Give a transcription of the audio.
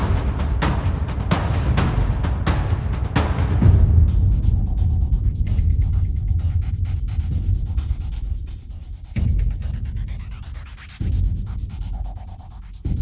กุลต่อสุทุ